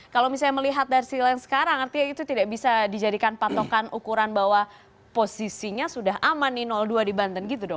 kalau misalnya melihat dari sisi lain sekarang artinya itu tidak bisa dijadikan patokan ukuran bahwa posisinya sudah aman nih dua di banten gitu dong